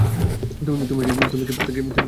তুমি প্রত্যেকদিন কি ভিডিও করো?